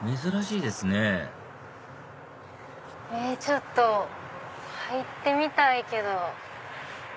珍しいですねちょっと入ってみたいけど。